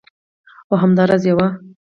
او همدا راز یوه